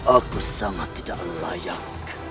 aku sangat tidak layak